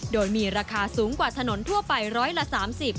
โดยมีราคาสูงกว่าถนนทั่วไปร้อยละ๓๐